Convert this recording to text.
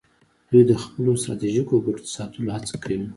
دوی د خپلو ستراتیژیکو ګټو د ساتلو هڅه کوي